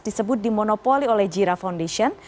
disebut dimonopoli oleh gira foundation